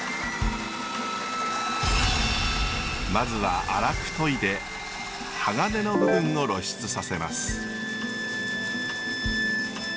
まずは荒く研いで刃金の部分を露出させます。